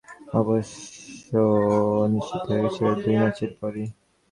One day সিরিজে বাংলাদেশের হার অবশ্য নিশ্চিত হয়ে গেছে প্রথম দুই ম্যাচের পরই।